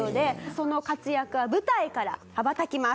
その活躍は舞台から羽ばたきます。